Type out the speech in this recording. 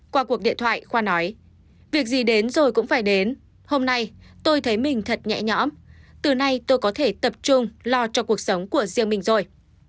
qua cuộc điện thoại khoa nói